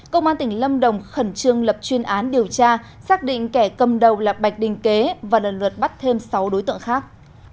công an tỉnh lâm đồng khẩn trương lập chuyên án điều tra xác định kẻ cầm đầu là bạch đình kế và lần lượt bắt thêm sáu đối tượng khác